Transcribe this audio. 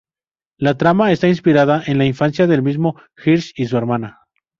La trama está inspirada en la infancia del mismo Hirsch y su hermana.